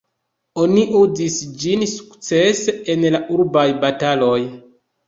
Oni uzis ĝin sukcese en la urbaj bataloj.